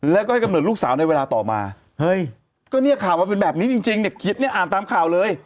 แล้วก็ให้กำเนิดลูกสาวในเวลาต่อมาเฮ้ยก็เนี่ยข่าวมันเป็นแบบนี้จริงเนี่ยคิดเนี่ยอ่านตามข่าวเลย